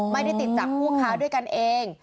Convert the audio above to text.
ไม่ได้ติดจากผู้ค้าด้วยกันเอง